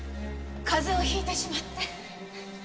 風邪を引いてしまって。